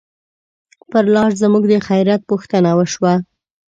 پر لار زموږ د خیریت پوښتنه وشوه.